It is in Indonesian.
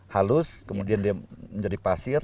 halus kemudian menjadi pasir